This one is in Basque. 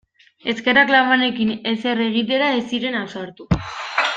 Eskerrak labanekin ezer egitera ez ziren ausartu.